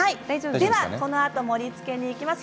ではこのあと盛りつけにいきます。